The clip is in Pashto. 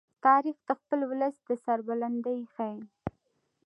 تاریخ د خپل ولس د سربلندۍ ښيي.